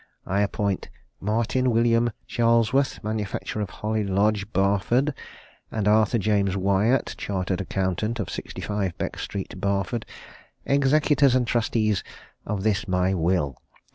I appoint Martin William Charlesworth, manufacturer, of Holly Lodge, Barford, and Arthur James Wyatt, chartered accountant, of 65, Beck Street, Barford, executors and trustees of this my will.